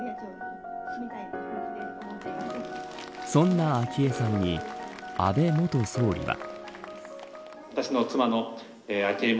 そんな昭恵さんに安倍元総理は。